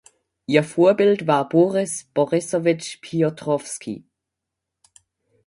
Ihr Vorbild war Boris Borissowitsch Piotrowski.